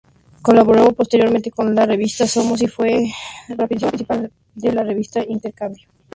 Colaboró posteriormente con la revista Somos y fue redactora principal de la revista Intercambio.